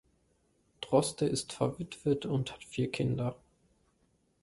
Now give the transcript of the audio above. Droste ist verwitwet und hat vier Kinder.